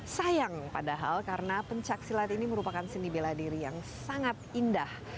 sayang padahal karena pencaksilat ini merupakan seni bela diri yang sangat indah